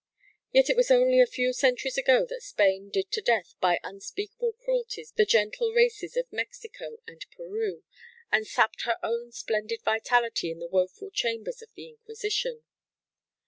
Yet it was only a few centuries ago that Spain "did to death" by unspeakable cruelties the gentle races of Mexico and Peru, and sapped her own splendid vitality in the woeful chambers of the Inquisition.